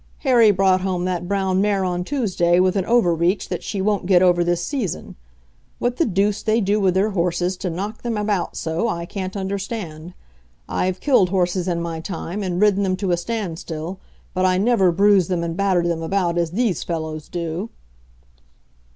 Harry brought home that brown mare on Tuesday with an overreach that she won't get over this season. What the deuce they do with their horses to knock them about so, I can't understand. I've killed horses in my time, and ridden them to a stand still, but I never bruised them and battered them about as these fellows do."